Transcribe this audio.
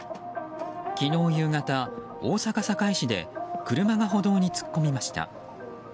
昨日夕方、大阪・堺市で車が歩道に突っ込みました。